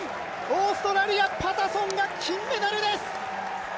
オーストラリア、パタソンが金メダルです。